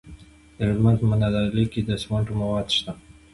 د هلمند په نادعلي کې د سمنټو مواد شته.